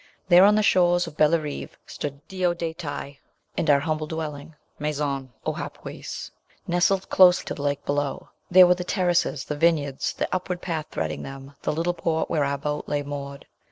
There on the shores of Bellerive stood Diodati ; and our humble dwelling, Maison Chapuis, nestled close to the lake below. There were the terraces, the vineyards, the upward path threading them, the little port where our boat lay moored.